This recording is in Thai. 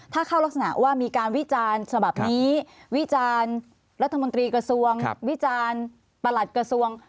ถ้าเข้ารักษณะว่ามีการวิจารณ์ฉบับนี้วิจารณ์รัฐมนตรีกระทรวงวิจารณ์ประหลัดกระทรวง